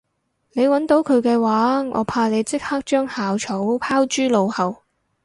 你搵到佢嘅話我怕你即刻將校草拋諸腦後